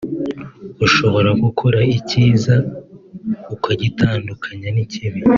ushobora gukora icyiza ukagitandukanya n’ikibi